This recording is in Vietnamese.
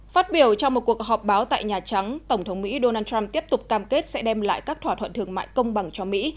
phát biểu trong một cuộc họp báo tại nhà trắng tổng thống mỹ donald trump tiếp tục cam kết sẽ đem lại các thỏa thuận thương mại công bằng cho mỹ